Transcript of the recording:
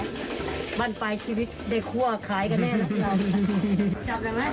ถ้าบ้านไปชีวิตได้คั่วขายกันแน่